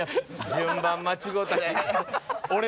順番間違うたね。